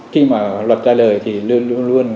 khi mà luật ra đời thì luôn luôn